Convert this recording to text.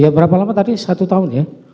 ya berapa lama tadi satu tahun ya